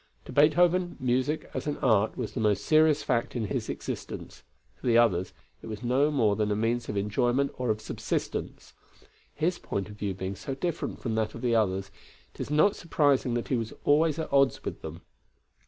To Beethoven, music as an art was the most serious fact in his existence; to the others, it was no more than a means of enjoyment or of subsistence. His point of view being so different from that of the others, it is not surprising that he was always at odds with them.